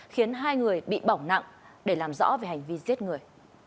khiến hai người bị bỏng nặng để làm rõ về hành vi giết người